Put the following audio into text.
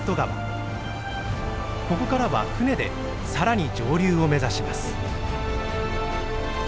ここからは船でさらに上流を目指します。